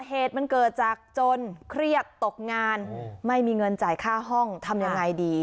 เหตุมันเกิดจากจนเครียดตกงานไม่มีเงินจ่ายค่าห้องทำยังไงดี